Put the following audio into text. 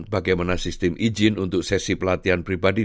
bagaimana sistem izin untuk sesi pelatihan pribadi